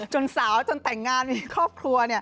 สาวจนแต่งงานมีครอบครัว